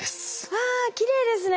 わあきれいですね。